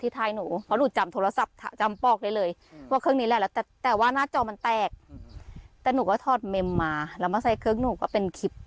นี่โตมาแล้วมาโดนแบบนี้แล้วมาโดนแบบนี้แล้วมาโดนแบบนี้